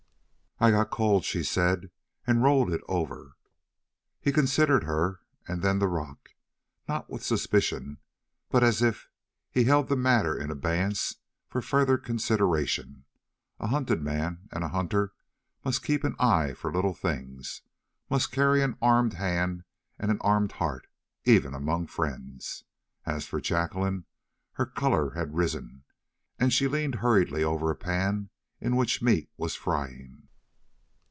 "I got cold," she said, "and rolled it over." He considered her and then the rock, not with suspicion, but as if he held the matter in abeyance for further consideration; a hunted man and a hunter must keep an eye for little things, must carry an armed hand and an armed heart even among friends. As for Jacqueline, her color had risen, and she leaned hurriedly over a pan in which meat was frying.